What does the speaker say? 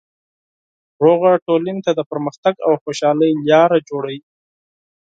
سوله ټولنې ته د پرمختګ او خوشحالۍ لاره جوړوي.